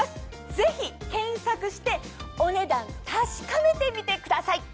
ぜひ検索してお値段確かめてみてください。